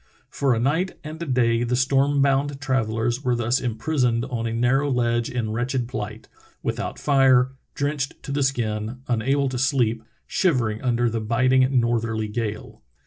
For a night and a day the storm bound travellers were thus imprisoned on a narrow ledge in wretched plight — with out fire, drenched to the skin, unable to sleep, shivering under the biting northerly gale.